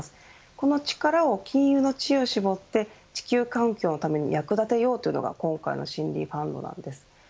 この力を金融の知恵を絞って地球環境のために役立てようというのが今回の森林ファンドなんです。